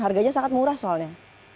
harganya sangat murah soalnya